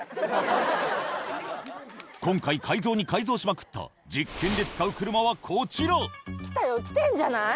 今回改造に改造しまくった実験で使う車はこちら来たよ来てんじゃない？